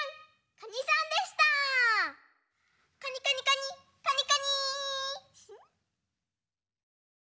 カニカニカニカニカニー。